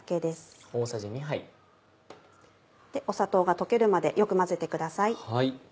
砂糖が溶けるまでよく混ぜてください。